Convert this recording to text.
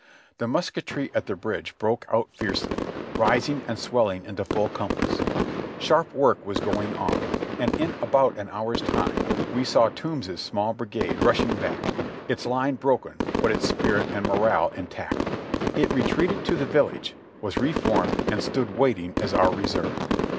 The musketry at the bridge broke out fiercely, rising and swelling into full compass. Sharp work was going on, and in about an hour's time we saw Toombs's small brigade rushing back, its line broken but its spirit and morale intact; it retreated to the village, was reformed and stood wait ing as our reserve.